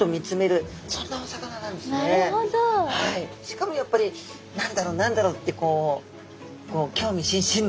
しかもやっぱり何だろう何だろうってこう興味津々な。